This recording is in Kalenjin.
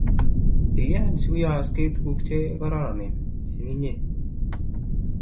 Kilyan si kuyooksei tuguk che kororononen eng' inye